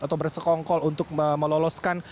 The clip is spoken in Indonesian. atau bersekongkol untuk meloloskan